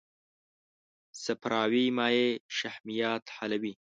صفراوي مایع شحمیات حلوي.